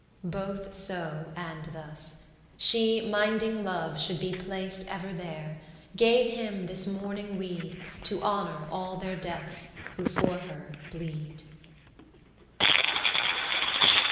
Both so and thus, she minding Love shoud be Placed ever there, gave him this mourning weed, To honor all their deaths, who for her bleed.